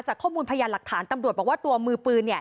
ข้อมูลพยานหลักฐานตำรวจบอกว่าตัวมือปืนเนี่ย